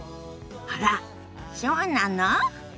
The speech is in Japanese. あらっそうなの？